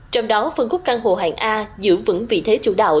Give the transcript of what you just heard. trong đó phân khúc căn hộ hàng a giữ vững vị thế chủ đạo